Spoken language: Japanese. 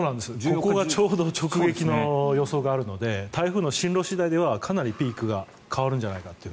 ここがちょうど直撃の予想があるので台風の進路次第ではかなりピークが変わるんじゃないかという。